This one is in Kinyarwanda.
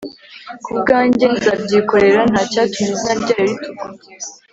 Kubwanjye nzabyikorera ntacyatuma izina ryayo ritukwa